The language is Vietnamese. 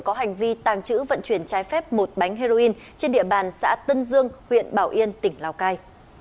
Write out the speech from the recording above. có hành vi tàng trữ vận chuyển trái phép một bánh heroin trên địa bàn xã tân dương huyện bảo yên tỉnh lào cai